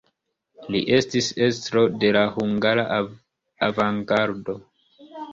Li estis estro de la hungara avangardo.